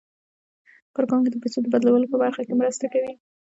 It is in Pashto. کارکوونکي د پيسو د بدلولو په برخه کې مرسته کوي.